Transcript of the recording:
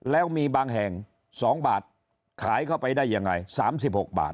แล้วมีบางแห่ง๒บาทขายเข้าไปได้ยังไง๓๖บาท